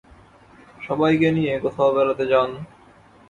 সবাইকে নিয়ে কোথাও বেড়াতে যান।